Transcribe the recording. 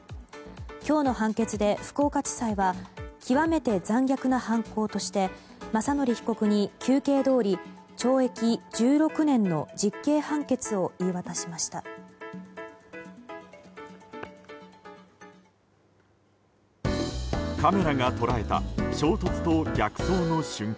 今日の判決で福岡地裁は極めて残酷な犯行として雅則被告に求刑どおり懲役１６年の実刑判決を言い渡しました。